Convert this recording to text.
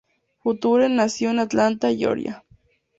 Future nació en Atlanta, Georgia.